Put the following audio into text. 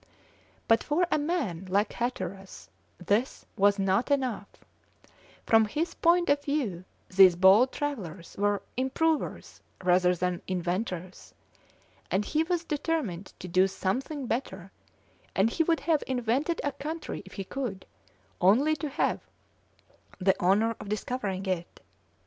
But for a man like Hatteras this was not enough; from his point of view these bold travellers were improvers rather than inventors; and he was determined to do something better, and he would have invented a country if he could, only to have the honour of discovering it.